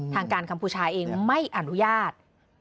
ทางการคัมพูชาเองไม่อนุญาต